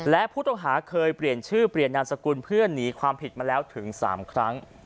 และผู้ต้องหาเคยเปลี่ยนชื่อเปลี่ยนนามสกุลเพื่อหนีความผิดมาแล้วถึง๓ครั้ง